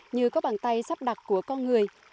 như có bàn tay sắp đặt của con người